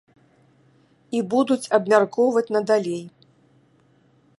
І будуць абмяркоўваць надалей.